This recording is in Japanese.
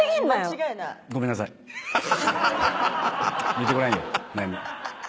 言ってごらんよ悩み。